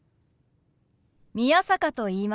宮坂と言います。